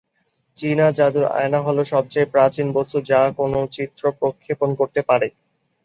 চীনা জাদুর আয়না হলো সবচেয়ে প্রাচীন বস্তু যা কোন চিত্র প্রক্ষেপণ করতে পারে।